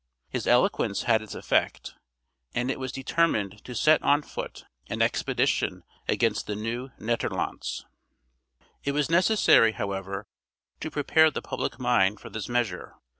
His eloquence had its effect, and it was determined to set on foot an expedition against the Nieuw Nederlandts. It was necessary, however, to prepare the public mind for this measure.